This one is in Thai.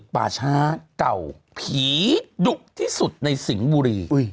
ป่าช้าเก่าผีดุที่สุดในสิงห์บุรี